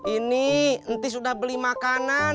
ini enti sudah beli makanan